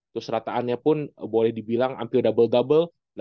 terus rataannya pun boleh dibilang hampir double double